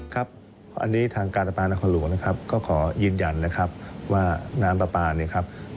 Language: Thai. ครับอันนี้ทางการประปานครหลวงนะครับก็ขอยืนยันนะครับว่าน้ำปลาปลาเนี่ยครับ